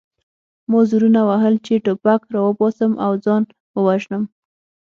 ما زورونه وهل چې ټوپک راوباسم او ځان ووژنم